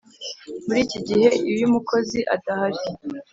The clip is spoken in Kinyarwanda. Muri iki gihe iyo umukozi adahari,